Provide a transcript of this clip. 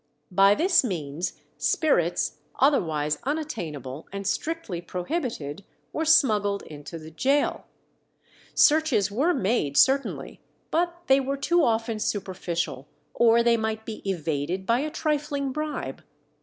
By this means spirits, otherwise unattainable and strictly prohibited, were smuggled into the gaol. Searches were made certainly, but they were too often superficial, or they might be evaded by a trifling bribe.